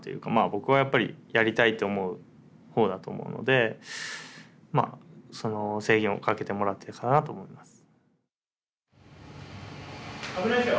僕はやっぱりやりたいって思うほうだと思うのでその制限をかけてもらっていたかなと思います。